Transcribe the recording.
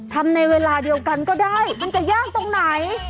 ทำในเวลาเดียวกันก็ได้มันจะยากตรงไหน